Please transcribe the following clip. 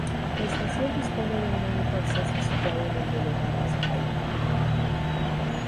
La estación dispone de un único acceso situado en el bulevar Raspail.